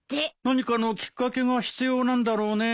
何かのきっかけが必要なんだろうね。